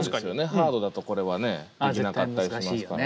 ハードだとこれはねできなかったりしますよね。